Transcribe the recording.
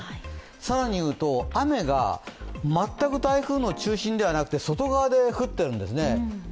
更にいうと、雨が全く台風の中心ではなくて外側で降ってるんですね。